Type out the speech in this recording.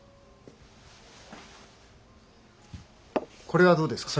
これはどうですか？